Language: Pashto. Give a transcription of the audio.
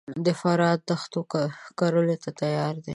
د فراه دښتونه کرلو ته تیار دي